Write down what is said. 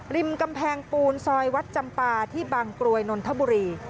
ริมกำแพงปูนซอยวัดจำปาที่บางกรวยนนทบุรี